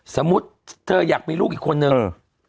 สมมุติเธออยากมีลูกอีกคนนึงเออ